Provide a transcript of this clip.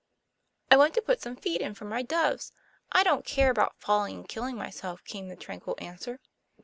;' I want to put some feed in for my doves. I don't care about falling and killing myself," came the tranquil answer.